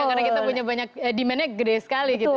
karena kita punya banyak demandnya gede sekali gitu